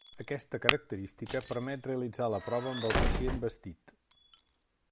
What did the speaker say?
Aquesta característica permet realitzar la prova amb el pacient vestit.